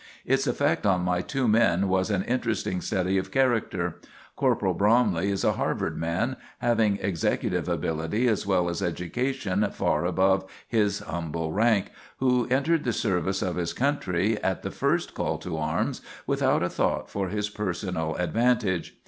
Its effect on my two men was an interesting study of character. Corporal Bromley is a Harvard man, having executive ability as well as education far above his humble rank, who entered the service of his country at the first call to arms without a thought for his personal advantage.